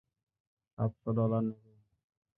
সাতশো ডলার নেবে।